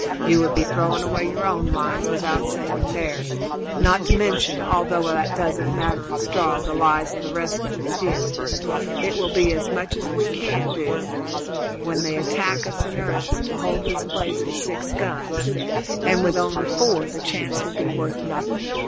"You would be throwing away your own lives without saving theirs, not to mention, although that doesn't matter a straw, the lives of the rest of us here. It will be as much as we can do, when they attack us in earnest, to hold this place with six guns, and with only four the chance would be worth nothing.